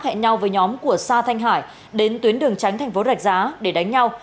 hẹn nhau với nhóm của sa thanh hải đến tuyến đường tránh tp rạch giá để đánh nhau